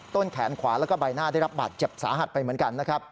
ต้นแขนขวาแล้วก็ใบหน้าได้รับบาดเจ็บสาหัสไปเหมือนกันนะครับ